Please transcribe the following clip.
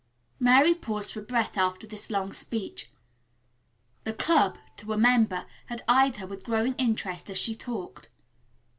Mary paused for breath after this long speech. The club, to a member, had eyed her with growing interest as she talked.